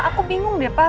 aku bingung deh pak